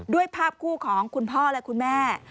ด้วยภาพคู่ของคุณพ่อและคุณแม่